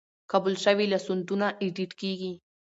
قبول شوي لاسوندونه ایډیټ کیږي.